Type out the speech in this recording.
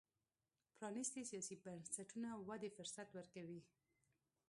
پرانیستي سیاسي بنسټونه ودې فرصت ورکوي.